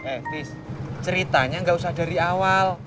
eh tis ceritanya gak usah dari awal